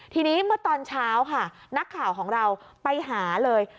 ทีนี้เมื่อตอนเช้าค่ะนักข่าวของเราไปหาเลย